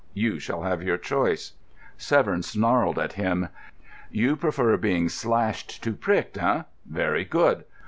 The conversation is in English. You shall have your choice." Severn snarled at him. "You prefer being slashed to pricked, eh? Very good.